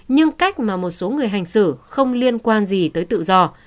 nhưng cách mà một số người hành xử không liên quan gì tới tự do